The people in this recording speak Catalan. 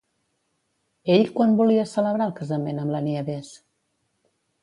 Ell quan volia celebrar el casament amb la Nieves?